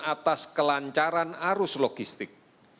atas kelancaran arus logistik